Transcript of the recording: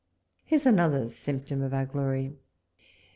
Here's another symptom of our glory!